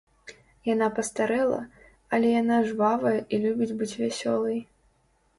Яна пастарэла, але яна жвавая і любіць быць вясёлай.